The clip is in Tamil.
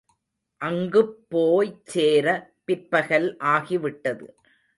அங்குப்போ ய்ச் சேர பிற்பகல் ஆகிவிட்டது.